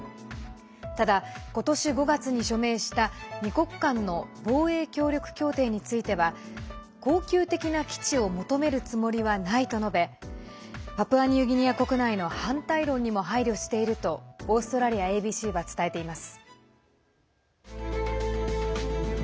ただ、今年５月に署名した２国間の防衛協力協定については恒久的な基地を求めるつもりはないと述べパプアニューギニア国内の反対論にも配慮しているとオーストラリアＡＢＣは伝えています。